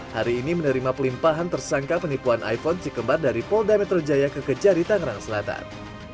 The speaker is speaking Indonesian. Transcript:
hari ini menerima pelimpahan tersangka penipuan iphone sikembar dari polda metro jaya ke kejari tangerang selatan